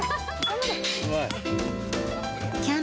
頑張れ！